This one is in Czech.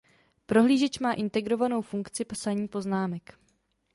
Prohlížeč má integrovanou funkci psaní poznámek.